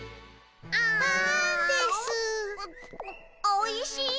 おいしい。